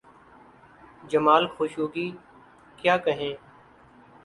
جمال Khashoggi… کیا کہیں؟